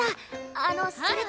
あのそれと。